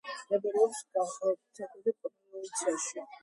მდებარეობს გეღარქუნიქის პროვინციაში.